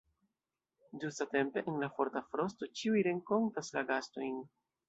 Ĝustatempe en la forta frosto ĉiuj renkontas la gastojn.